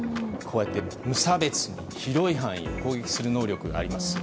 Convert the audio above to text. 無差別に広い範囲で攻撃する能力があります。